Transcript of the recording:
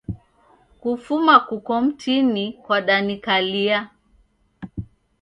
Kufuma kuko mtini kwadanikalia.